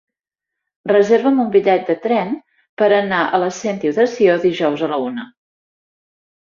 Reserva'm un bitllet de tren per anar a la Sentiu de Sió dijous a la una.